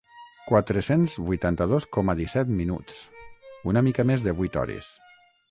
Quatre-cents vuitanta-dos coma disset minuts, una mica més de vuit hores.